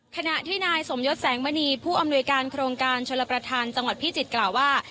ขณะที่นายสมยศแสงมณีผู้อำนวยการโครงการชลประธานจังหวัดพิจิตรกล่าวว่า